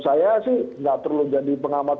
saya sih nggak perlu jadi pengamat